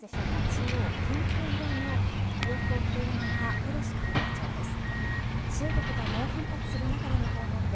中央、ピンク色の洋服を着ているのがペロシ下院議長です。